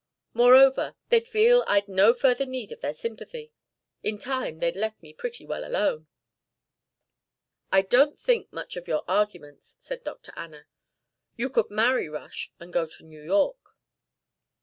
Moreover, they'd feel I'd no further need of their sympathy. In time they'd let me pretty well alone." "I don't think much of your arguments," said Dr. Anna. "You could marry Rush and go to New York."